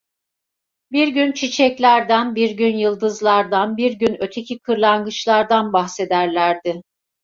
Bir gün çiçeklerden, bir gün yıldızlardan, bir gün öteki kırlangıçlardan bahsederlerdi.